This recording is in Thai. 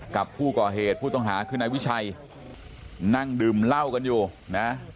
กับผู้ก่อเหตุผู้ต้องหาคือนายวิชัยนั่งดื่มเหล้ากันอยู่นะ